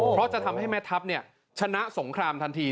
เพราะจะทำให้แม่ทัพชนะสงครามทันที